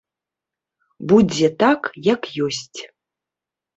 Будзе так, як ёсць.